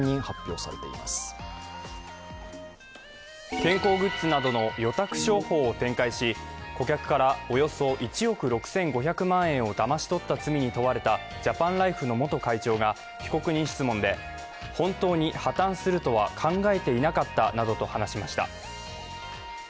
健康グッズなどの預託商法を展開し顧客からおよそ１億６５００万円をだまし取った罪に問われたジャパンライフの元会長が被告人質問で、本当に破綻するのは考えていなかったなどと話しました。